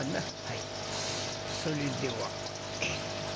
はいそれでは。